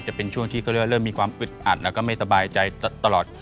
จะเป็นช่วงที่เขาเรียกว่าเริ่มมีความอึดอัดแล้วก็ไม่สบายใจตลอด